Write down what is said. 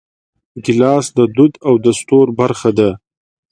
ګیلاس د دود او دستور برخه ده.